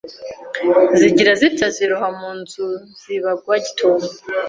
zigira zitya ziroha mu nzu zibagwa gitumo,